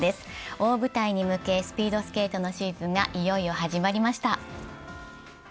大舞台に向けスピードスケートのシーズンがいよいよ始まりました。